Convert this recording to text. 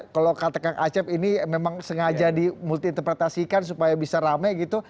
kalau kata kang acep ini memang sengaja dimulti interpretasikan supaya bisa rame gitu